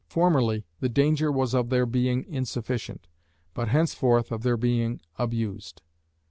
Formerly the danger was of their being insufficient, but henceforth, of their being abused.